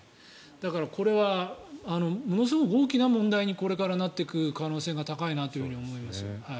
だから、これはものすごく大きな問題にこれからなっていく可能性が高いなと思います。